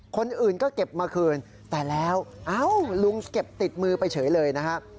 คนอื่นก็เก็บมาคืนแต่แล้วเอ้าลุงเก็บติดมือไปเฉยเลยนะฮะ